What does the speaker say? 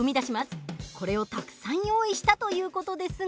これをたくさん用意したという事ですが。